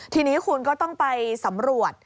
ทีนี้คุณก็ต้องไปสำรวจ